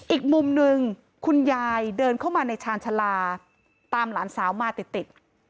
อีกมุมหนึ่งคุณยายเดินเข้ามาในชาญชาลาตามหลานสาวมาติดติด